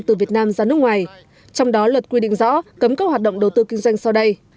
từ việt nam ra nước ngoài trong đó luật quy định rõ cấm các hoạt động đầu tư kinh doanh sau đây